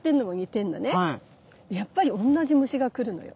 やっぱりおんなじ虫が来るのよ。